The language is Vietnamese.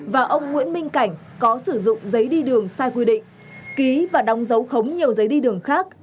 và ông nguyễn minh cảnh có sử dụng giấy đi đường sai quy định ký và đóng dấu khống nhiều giấy đi đường khác